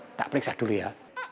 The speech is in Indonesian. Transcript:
nggak periksa dulu ya